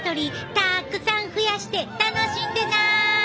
たくさん増やして楽しんでな！